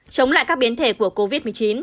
chống lại các biến thể của covid một mươi chín